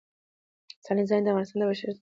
سیلاني ځایونه د افغانستان د بشري فرهنګ برخه ده.